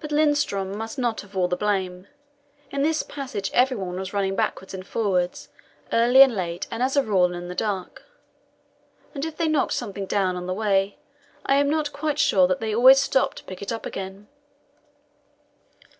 But Lindström must not have all the blame. In this passage everyone was running backwards and forwards, early and late, and as a rule in the dark. And if they knocked something down on the way, I am not quite sure that they always stopped to pick it up again.